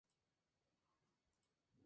Los equipos de Chimborazo y Tungurahua.